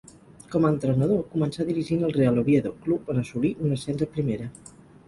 Com a entrenador començà dirigint el Real Oviedo, club on assolí un ascens a Primera.